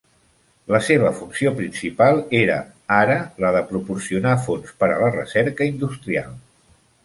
La seva funció principal era ara la de proporcionar fons per a la recerca industrial.